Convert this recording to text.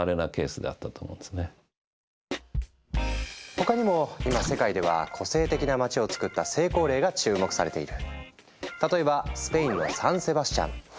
他にも今世界では個性的な街をつくった成功例が注目されている。